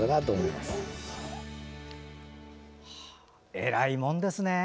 偉いもんですね。